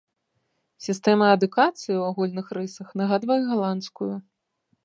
Сістэма адукацыі ў агульных рысах нагадвае галандскую.